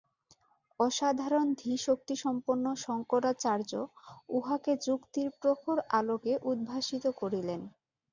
অসাধারণ ধীশক্তিসম্পন্ন শঙ্করাচার্য উহাকে যুক্তির প্রখর আলোকে উদ্ভাসিত করিলেন।